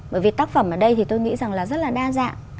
bởi vì tác phẩm ở đây thì tôi nghĩ rằng là rất là đa dạng